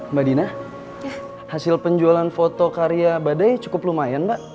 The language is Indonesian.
mbak dina hasil penjualan foto karya badai cukup lumayan mbak